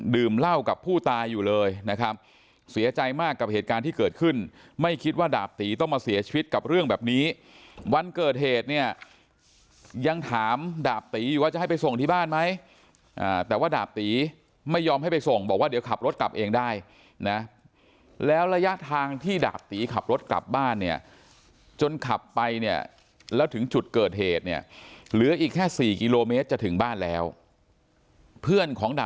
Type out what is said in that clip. ดื่มเหล้ากับผู้ตายอยู่เลยนะครับเสียใจมากกับเหตุการณ์ที่เกิดขึ้นไม่คิดว่าดาบตีต้องมาเสียชีวิตกับเรื่องแบบนี้วันเกิดเหตุเนี่ยยังถามดาบตีอยู่ว่าจะให้ไปส่งที่บ้านไหมแต่ว่าดาบตีไม่ยอมให้ไปส่งบอกว่าเดี๋ยวขับรถกลับเองได้นะแล้วระยะทางที่ดาบตีขับรถกลับบ้านเนี่ยจนขับไปเนี่ยแล้วถึงจุดเ